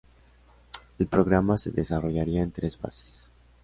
El programa se desarrollaría en tres fases.